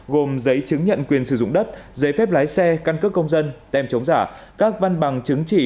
gồm giấy chứng nhận quyền sử dụng đất giấy phép lái xe căn cước công dân tem chống giả các văn bằng chứng chỉ